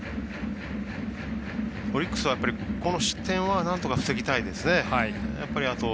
オリックスはやっぱりこの失点はなんとか防ぎたいですね。